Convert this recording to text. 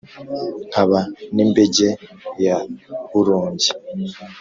nkaba n’imbege ya burongi,